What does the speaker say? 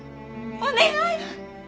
お願い！